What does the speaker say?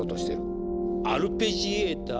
アルペジエーター？